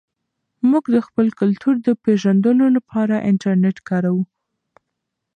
موږ د خپل کلتور د پېژندلو لپاره انټرنیټ کاروو.